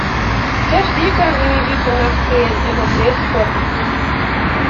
Dêr stie ik dan yn myn wite nachtklean en op bleate fuotten.